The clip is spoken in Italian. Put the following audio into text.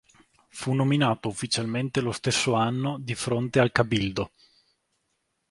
Fu nominato ufficialmente lo stesso anno di fronte al "cabildo".